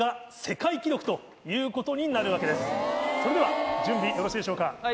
それでは準備よろしいでしょうか？